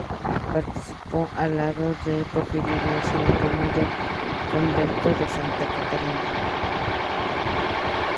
Participó al lado de Porfirio Díaz en la toma del Convento de Santa Catarina.